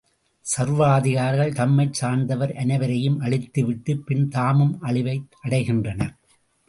சர்வாதிகாரிகள் தம்மைச் சார்ந்தவர் அனைவரையும் அழித்துவிட்ட பின் தாமும் அழிவை அடைகின்றனர்.